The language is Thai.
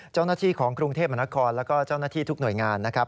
เจ้าหน้าที่ของกรุงเทพมนครแล้วก็เจ้าหน้าที่ทุกหน่วยงานนะครับ